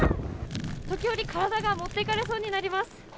時折、体が持っていかれそうになります。